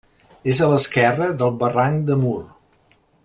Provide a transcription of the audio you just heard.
És a l'esquerra del barranc de Mur.